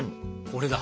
これだ。